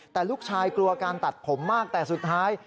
แต่ลูกชายกลัวการตัดผมมากแต่สุดท้าย